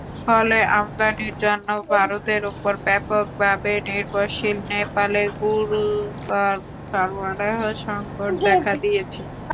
ফলে আমদানির জন্য ভারতের ওপর ব্যাপকভাবে নির্ভরশীল নেপালে গুরুতর সরবরাহ-সংকট দেখা দিয়েছে।